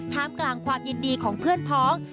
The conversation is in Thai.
กลางความยินดีของเพื่อนพ้อง